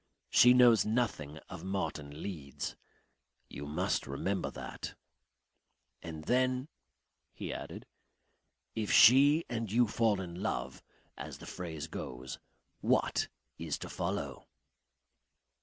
"She knows nothing of Martin Leeds.... You must remember that.... "And then," he added, "if she and you fall in love, as the phrase goes, what is to follow?"